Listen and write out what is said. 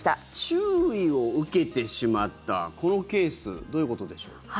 注意を受けてしまったこのケースどういうことでしょう。